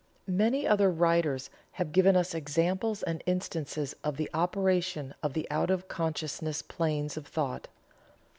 Many other writers have given us examples and instances of the operation of the out of consciousness planes of thought.